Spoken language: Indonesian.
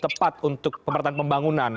tepat untuk pemerintahan pembangunan